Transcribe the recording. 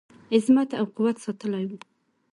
عظمت او قوت ساتلی وو.